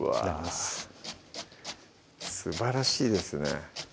すばらしいですね